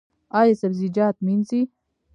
ایا سبزیجات مینځئ؟